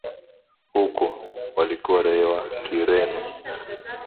huko, walikuwa raia wa kireno